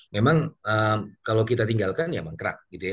memang kalau kita tinggalkan ya mengkrak gitu ya